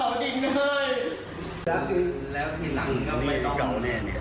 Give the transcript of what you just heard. แล้วทีหลังก็ไม่ต้อง